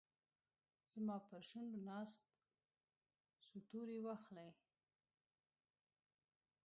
زما پرشونډو ناست، څو توري واخلې